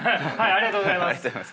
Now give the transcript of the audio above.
ありがとうございます。